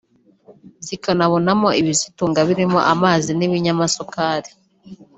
zikanabonamo ibizitunga birimo amazi n’ibinyamasukari